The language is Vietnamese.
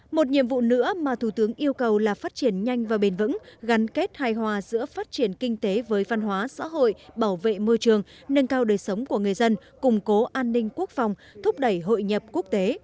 một nhiệm vụ nữa mà thủ tướng yêu cầu là phát triển nhanh và bền vững gắn kết hài hòa giữa phát triển kinh tế với văn hóa xã hội bảo vệ môi trường nâng cao đời sống của người dân củng cố an ninh quốc phòng thúc đẩy hội nhập quốc tế